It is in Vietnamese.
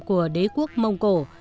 của đế quốc mông cổ